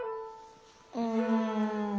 うん。